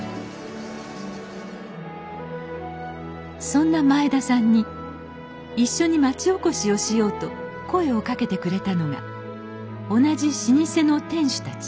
そんな前田さんに一緒に町おこしをしようと声をかけてくれたのが同じ老舗の店主たち。